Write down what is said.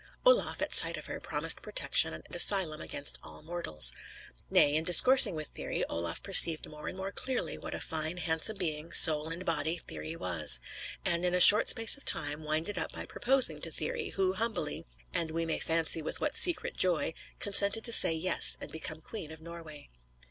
Olaf, at sight of her, promised protection and asylum against all mortals. Nay, in discoursing with Thyri Olaf perceived more and more clearly what a fine handsome being, soul and body, Thyri was; and in a short space of time winded up by proposing to Thyri, who, humbly, and we may fancy with what secret joy, consented to say yes, and become Queen of Norway.